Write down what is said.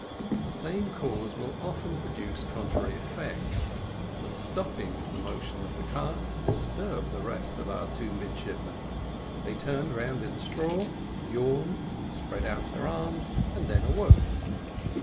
The same cause will often produce contrary effects: the stopping of the motion of the cart disturbed the rest of our two midshipmen; they turned round in the straw, yawned, spread out their arms, and then awoke.